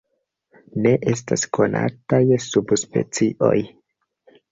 Ne estas konataj subspecioj.